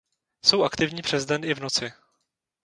Jsou aktivní přes den i v noci.